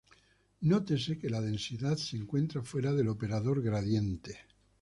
Nótese que la densidad se encuentra fuera del operador gradiente.